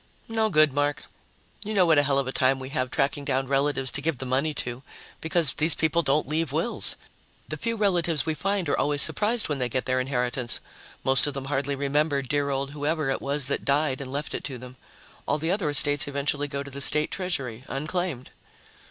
"No good, Mark. You know what a hell of a time we have tracking down relatives to give the money to, because these people don't leave wills. The few relatives we find are always surprised when they get their inheritance most of them hardly remember dear old who ever it was that died and left it to them. All the other estates eventually go to the State treasury, unclaimed."